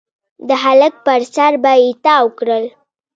د هلک پر سر به يې تاو کړل.